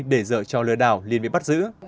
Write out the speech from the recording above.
để dỡ cho lừa đảo liên viện bắt giữ